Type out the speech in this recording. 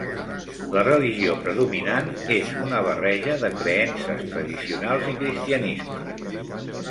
La religió predominant és una barreja de creences tradicionals i cristianisme.